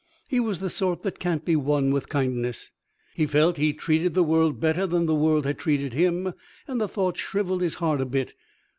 He was the sort that can't be won with kindness. He felt he'd treated the world better than the world had treated him, and the thought shriveled his heart a bit.